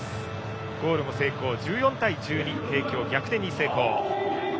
ゴールも成功して１４対１２と帝京、逆転に成功。